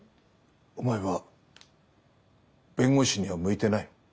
お前は弁護士には向いてない。